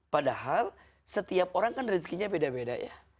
padahal setiap orang kan rezekinya beda beda ya